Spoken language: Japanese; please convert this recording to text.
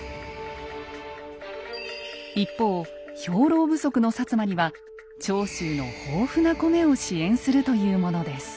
一方兵糧不足の摩には長州の豊富な米を支援するというものです。